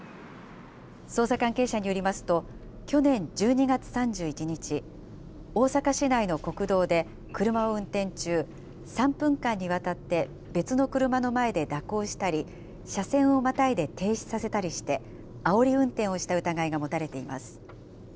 捜査関係者によりますと、去年１２月３１日、大阪市内の国道で車を運転中、３分間にわたって、別の車の前で蛇行したり、車線をまたいで停止させたりして、あおり運転をした疑いが持たれています。